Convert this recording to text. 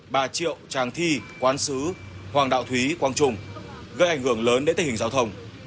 bà triệu tràng thi quán sứ hoàng đạo thúy quang trung gây ảnh hưởng lớn đến tình hình giao thông